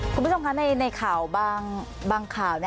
คุณผู้ชมคะในข่าวบางข่าว